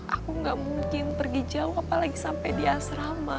aku gak mungkin pergi jauh apalagi sampai di asrama